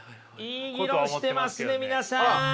いい議論してますね皆さん！